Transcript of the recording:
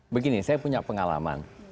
begini saya punya pengalaman